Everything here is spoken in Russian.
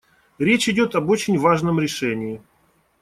Речь идет об очень важном решении.